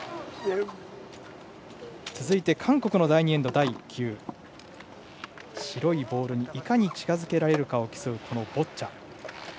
続いて韓国の第２エンド第１球。白いボールに、いかに近づけられるかを競うボッチャ。